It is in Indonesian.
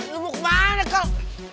lo mau kemana kak